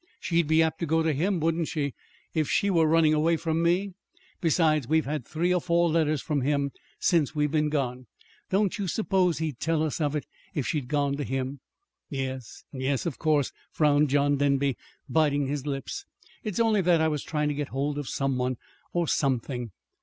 She'd be apt to go to him, wouldn't she, if she were running away from me? Besides, we've had three or four letters from him since we've been gone. Don't you suppose he'd tell us of it, if she'd gone to him?" "Yes, yes, of course," frowned John Denby, biting his lips. "It's only that I was trying to get hold of some one or something.